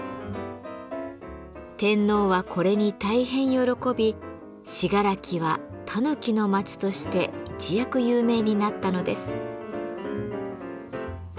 天皇はこれに大変喜び信楽は「たぬきの町」として一躍有名になったのです。